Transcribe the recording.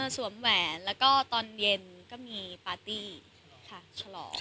สวมแหวนและก็ตอนเย็นก็มีปัตตี้ตอนชะลอ